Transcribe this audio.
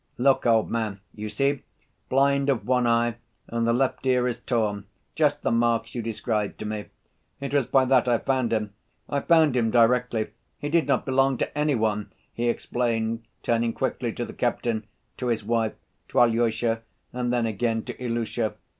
"Look, old man, you see, blind of one eye and the left ear is torn, just the marks you described to me. It was by that I found him. I found him directly. He did not belong to any one!" he explained, turning quickly to the captain, to his wife, to Alyosha and then again to Ilusha.